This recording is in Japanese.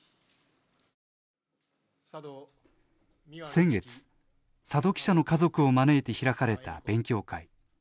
先月、佐戸記者の家族を招いて開かれた勉強会。